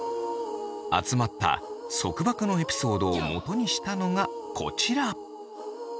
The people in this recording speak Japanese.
集まった束縛のエピソードをもとにしたのがこちら。